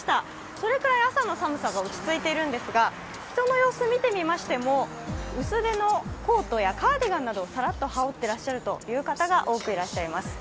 それくらい朝の寒さが落ち着いているんですが、人の様子見てみましても、薄手のコートやカーディガンなどをさらっと羽織っていらっしゃるという方が多くいらっしゃいます。